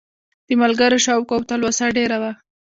د ملګرو شوق او تلوسه ډېره وه.